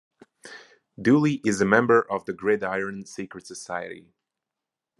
Dooley is a member of the Gridiron Secret Society.